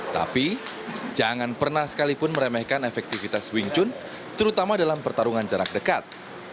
tapi jangan pernah sekalipun meremehkan efektivitas wing chun terutama dalam pertarungan jarak dekat